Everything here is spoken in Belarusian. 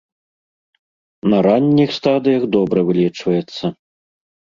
На ранніх стадыях добра вылечваецца.